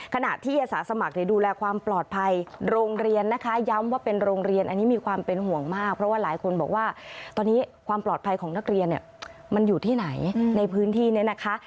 ขณะที่อาสาสมัครดูแลความปลอดภัยโรงเรียนนะคะย้ำว่าเป็นโรงเรียนอันนี้มีความเป็นห่วงมากเพราะว่าหลายคนบอกว่าตอนนี้ความปลอดภัยของนักเรียนเนี่ยมันอยู่ที่ไหนในพื้นที่เนี่ยนะคะ